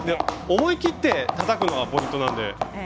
思い切ってたたくのがポイントです。